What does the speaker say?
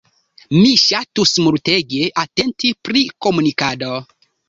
Mi ŝatus multege atenti pri komunikado.